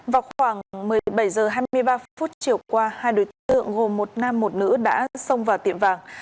vào khoảng một mươi bảy h hai mươi ba phút chiều qua hai đối tượng gồm một nam một nữ đã xông vào tiệm vàng